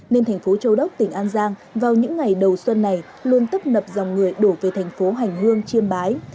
nên thành phố châu đốc tỉnh an giang vào những ngày đầu xuân này luôn tấp nập dòng người đổ về thành phố hành hương chiêm bái